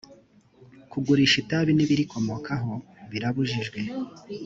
kugurisha itabi n ibirikomokaho birabujijwe